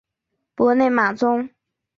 博内马宗。